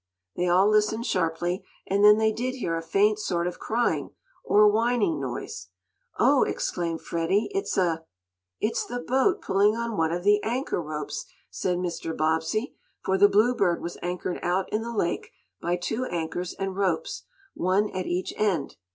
They all listened sharply, and then they did hear a faint sort of crying, or whining, noise. "Oh!" exclaimed Freddie. "It's a " "It's the boat pulling on one of the anchor ropes," said Mr. Bobbsey, for the Bluebird was anchored out in the lake by two anchors and ropes, one at each end.